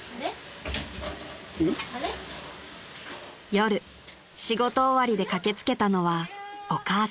［夜仕事終わりで駆けつけたのはお母さん］